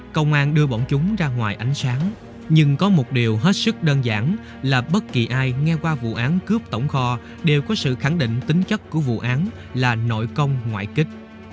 công an đưa bọn chúng ra ngoài ánh sáng nhưng có một điều hết sức đơn giản là bất kỳ ai nghe qua vụ án cướp tổng kho đều có sự khẳng định tính chất của vụ án là nội công ngoại kích